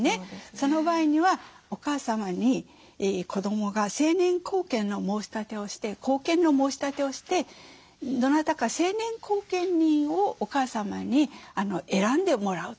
その場合にはお母様に子どもが成年後見の申し立てをしてどなたか成年後見人をお母様に選んでもらうと。